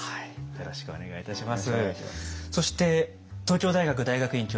よろしくお願いします。